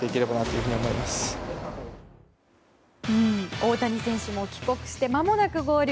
大谷選手も帰国してまもなく合流。